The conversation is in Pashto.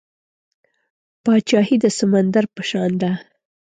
پاچاهي د سمندر په شان ده .